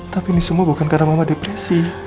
tapi ini semua bukan karena mama depresi